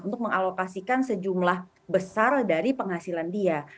untuk mengalokasikan sejumlah besar dari penghasilan dia